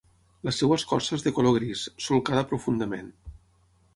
La seva escorça és de color gris, solcada profundament.